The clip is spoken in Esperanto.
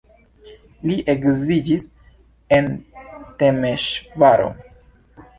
Li edziĝis en Temeŝvaro.